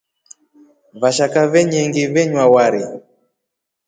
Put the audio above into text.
Vashaka venyengi venywa wari.